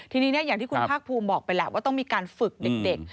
ทีนี้อย่างที่คุณภาคภูมิบอกไปแหละว่าต้องมีการฝึกเด็ก